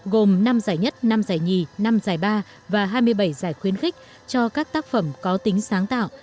gồm năm giải nhất năm giải nhì năm giải ba và hai mươi bảy giải khuyến khích cho các tác phẩm có tính sáng tạo